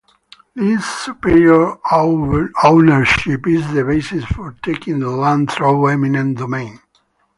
This superior ownership is the basis for taking the land through eminent domain.